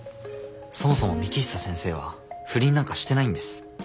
そもそも幹久先生は不倫なんかしてないんです。